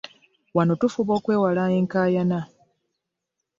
Wano tufuba okwewala enkaayana.